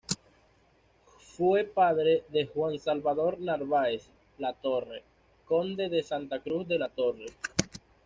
Fue padre de Juan Salvador Narváez Latorre, conde de Santa Cruz de la Torre.